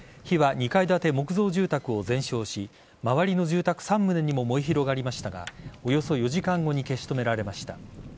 火は２階建て木造住宅を全焼し周りの住宅３棟にも燃え広がりましたがおよそ４時間後に消し止められました。